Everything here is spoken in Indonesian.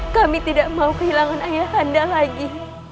kami tidak mau kehilangan ayahanda lagi